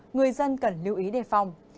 người dân cần lưu ý đề phòng